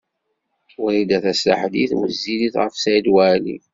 Wrida Tasaḥlit wezzilet ɣef Saɛid Waɛli.